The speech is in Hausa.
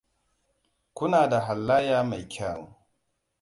Kuna da halayya mai kyau.